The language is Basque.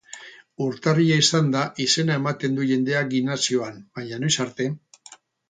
Urtarrila izanda izena ematen du jendeak gimnasioan, baina noiz arte?